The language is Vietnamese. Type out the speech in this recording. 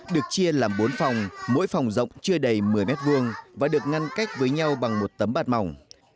được chia làm bốn phòng mỗi phòng rộng chưa đầy một mươi m hai và được ngăn cách với nhau bằng một tấm bạt mỏng